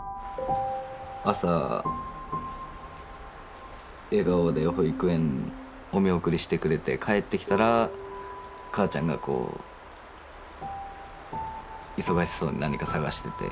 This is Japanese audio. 朝笑顔で保育園お見送りしてくれて帰ってきたら母ちゃんがこう忙しそうに何か捜してて。